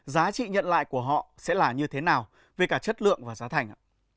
giá trị nhận lại của họ sẽ là như thế nào về cả chất lượng và giá thành ạ